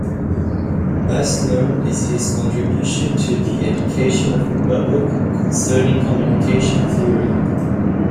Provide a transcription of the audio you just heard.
Best known is his contribution to the education of the public, concerning communication theory.